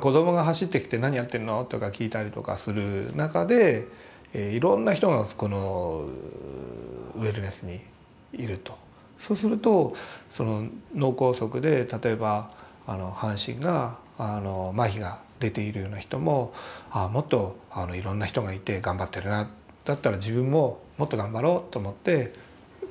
子どもが走ってきて「何やってるの？」とか聞いたりとかする中でいろんな人がこのウェルネスにいるとそうするとその脳梗塞で例えば半身が麻痺が出ているような人ももっといろんな人がいて頑張ってるなだったら自分ももっと頑張ろうと思ってまあ励まされるというか。